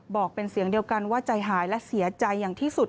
บอกเป็นเสียงเดียวกันว่าใจหายและเสียใจอย่างที่สุด